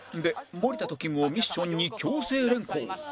森田ときむをミッションに強制連行